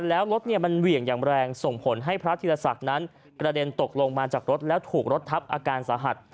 แล้วรถมันเหวี่ยงอย่างแรงส่งผลให้พระธิรศักดิ์นั้นกระเด็นตกลงมาจากรถแล้วถูกรถทับอาการสาหัส